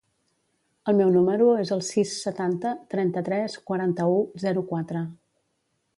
El meu número es el sis, setanta, trenta-tres, quaranta-u, zero, quatre.